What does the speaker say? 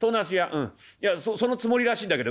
そのつもりらしいんだけど。